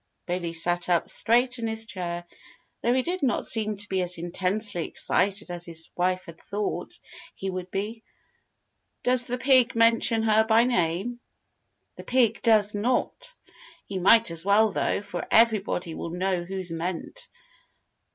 Billy sat up straight in his chair, though he did not seem to be as intensely excited as his wife had thought he would be. "Does the pig mention her by name?" "The pig does not. He might as well, though, for everybody will know who's meant.